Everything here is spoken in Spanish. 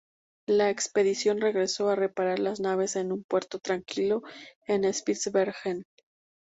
La expedición regresó a reparar las naves en un puerto tranquilo en Spitsbergen.